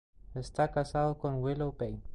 Está casado con Willow Bay.